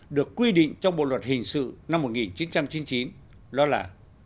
được quy định trong bộ luật hình sự năm một nghìn chín trăm chín mươi chín đó là